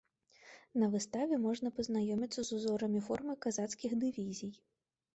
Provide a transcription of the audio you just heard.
На выставе можна пазнаёміцца з узорамі формы казацкіх дывізій.